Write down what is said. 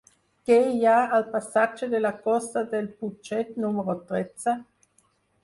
Què hi ha al passatge de la Costa del Putxet número tretze?